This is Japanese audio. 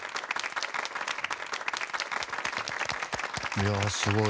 いやすごい。